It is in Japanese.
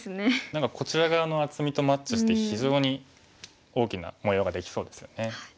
何かこちら側の厚みとマッチして非常に大きな模様ができそうですよね。